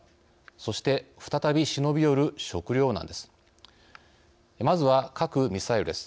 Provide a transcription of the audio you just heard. そして、再び忍び寄る食糧難です。